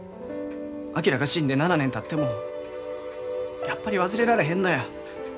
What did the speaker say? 昭が死んで７年たってもやっぱり忘れられへんのや。